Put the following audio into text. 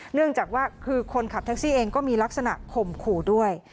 เนื่องจากว่าคือคนขับแท็กซี่เองก็มีลักษณะข่มขู่ด้วย